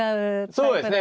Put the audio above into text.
そうですね。